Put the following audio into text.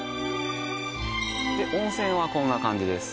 温泉はこんな感じです